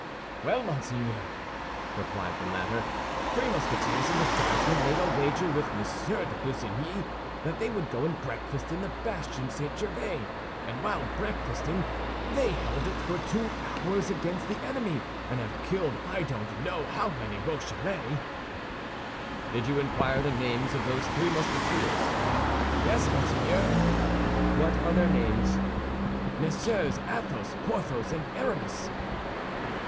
"Well, monseigneur," replied the latter, "three Musketeers and a Guardsman laid a wager with Monsieur de Busigny that they would go and breakfast in the bastion St. Gervais; and while breakfasting they held it for two hours against the enemy, and have killed I don't know how many Rochellais." "Did you inquire the names of those three Musketeers?" "Yes, monseigneur." "What are their names?" "Messieurs Athos, Porthos, and Aramis."